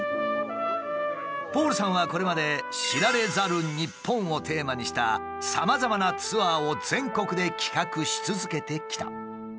ポールさんはこれまで「知られざる日本」をテーマにしたさまざまなツアーを全国で企画し続けてきた。